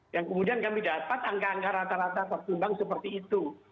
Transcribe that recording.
yang kemudian kami dapat angka angka rata rata tertumbang seperti itu